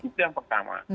itu yang pertama